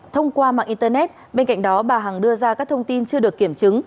thông qua mạng internet bên cạnh đó bà hằng đưa ra các thông tin chưa được kiểm chứng